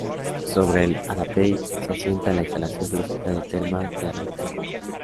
Sobre el Arapey se asienta la instalación turística de termas del Arapey.